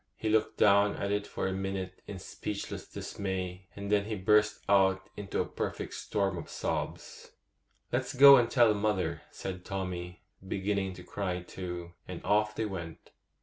He looked down at it for a minute in speechless dismay, and then he burst out into a perfect storm of sobs. 'Let's go and tell mother,' said Tommy, beginning to cry too; and off they went.